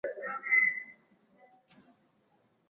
hivyo sasa anayeshughulikia sekta hizo